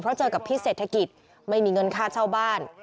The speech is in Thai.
เพราะเจอกับพิษเศรษฐกิจไม่มีเงินค่าเช่าบ้าน